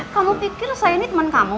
kamu pikir saya ini teman kamu